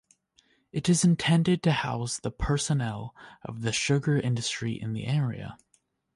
It is intended to house the personnel of the sugar industry in the area.